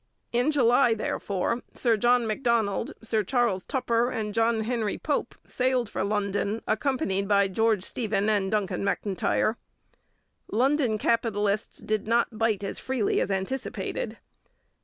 In July, therefore, Sir John Macdonald, Sir Charles Tupper, and John Henry Pope sailed for London, accompanied by George Stephen and Duncan M'Intyre. London capitalists did not bite as freely as anticipated.